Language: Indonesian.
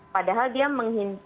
padahal dia menghint